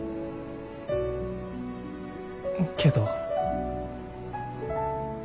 けど。